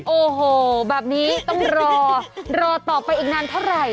โอ้โหแบบนี้ต้องรอรอต่อไปอีกนานเท่าไหร่